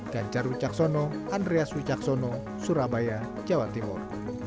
ganjar wicaksono andreas wicaksono surabaya jawa timur